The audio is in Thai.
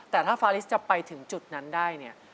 แต่ถ้าฟาลิสจะไปถึงจุดนั้นได้เนี่ย